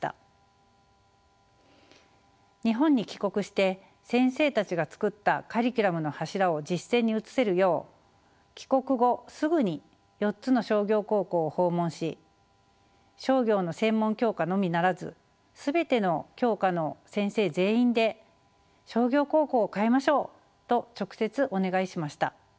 日本に帰国して先生たちが作ったカリキュラムの柱を実践に移せるよう帰国後すぐに４つの商業高校を訪問し商業の専門教科のみならず全ての教科の先生全員で「商業高校を変えましょう！」と直接お願いしました。